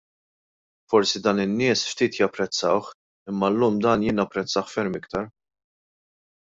Forsi dan in-nies ftit japprezzawh imma llum dan jien napprezzah ferm aktar!